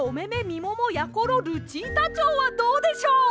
みももやころルチータチョウ」はどうでしょう？